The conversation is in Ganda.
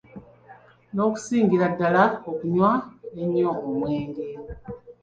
N'okusingira ddala, okunywa ennyo omwenge.